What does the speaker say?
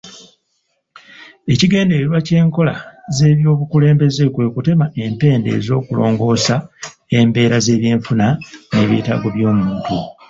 Ekigendererwa ky'enkola z'obukulembeze kwe kutema empenda ez'okulongoosa embeera z'ebyenfuna n'ebyetaago by'omuntu.